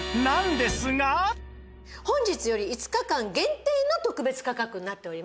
本日より５日間限定の特別価格になっております。